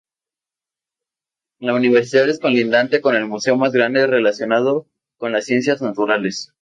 La universidad es colindante con el museo más grande relacionado con las ciencias naturales.